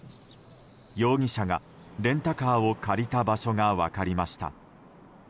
容疑者がレンタカーを借りた場所が分かりました。